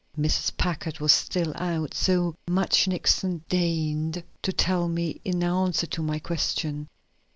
Mrs. Packard was still out, so much Nixon deigned to tell me in answer to my question.